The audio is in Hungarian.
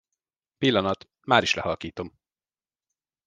Pillanat, máris lehalkítom.